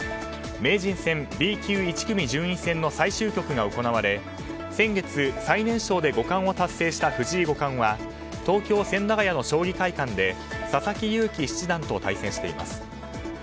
名人戦Ｂ級１組順位戦の最終局が行われ先月、最年少で五冠を達成した藤井五冠は東京・千駄ヶ谷の将棋会館で佐々木勇気七段と対戦しています。